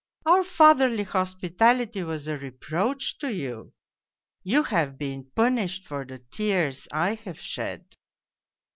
Our fatherly hospitality was a reproach to you ! You have been punished for the tears I have shed.'